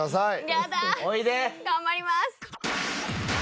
ヤダ頑張ります